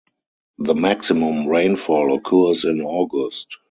The maximum rainfall occurs in August.